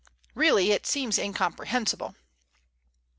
Really, it seems incomprehensible."